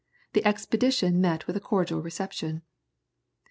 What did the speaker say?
The expedition met with a cordial reception.